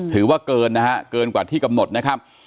ถือว่าเกินนะฮะเกินกว่าที่กำหนดนะครับ